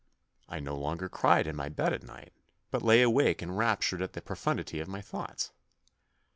I no longer cried in my bed at night, but lay awake enraptured at the profundity of my thoughts.